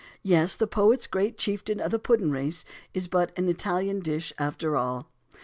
Yes, the poet's "great chieftain o' the puddin' race" is but an Italian dish after all.